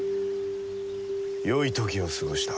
よい時を過ごした。